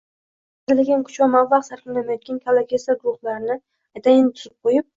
hazilakam kuch va mablag‘ sarflamayotgan, kallakesar guruhlarni atayin tuzib qo‘yib